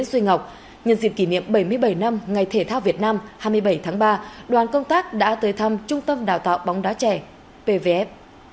trong kỷ niệm bảy mươi bảy năm ngày thể thao việt nam hai mươi bảy tháng ba đoàn công tác đã tới thăm trung tâm đào tạo bóng đá trẻ pvf